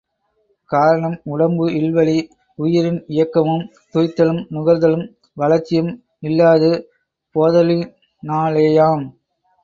காரணம், உடம்பு இல்வழி உயிரின் இயக்கமும் துய்த்தலும் நுகர்தலும் வளர்ச்சியும் இல்லாது போதலினாலேயாம்.